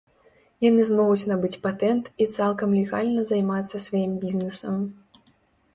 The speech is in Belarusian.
Яны змогуць набыць патэнт і цалкам легальна займацца сваім бізнесам.